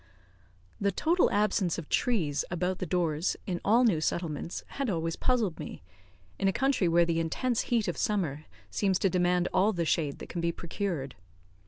The total absence of trees about the doors in all new settlements had always puzzled me, in a country where the intense heat of summer seems to demand all the shade that can be procured.